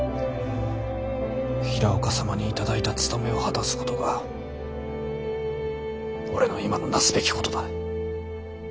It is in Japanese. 平岡様に頂いた務めを果たすことが俺の今のなすべきことだ。